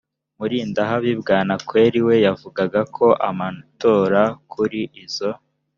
murindahabi bwanakweri we yavugaga ko amatora kuri izo